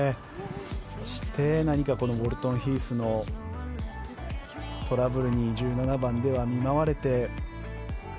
そしてウォルトンヒースのトラブルに１７番では見舞われて。